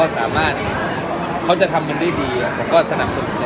โหยผมว่ากักดันทุกอย่างนะครับคือ